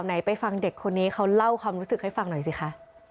ไปฟังเด็กคนนี้เขาเล่าความรู้สึกให้ฟังหน่อยสิคะ